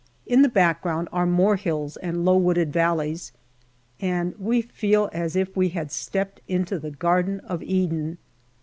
In the background are more hills and low wooded valleys, and we feel as if we had stepped into the Garden of Eden.